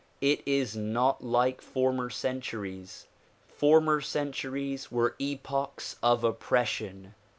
It is not like former centuries. Former centuries were epochs of oppression.